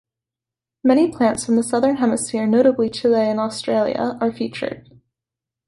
Many plants from the southern hemisphere, notably Chile and Australia, are featured.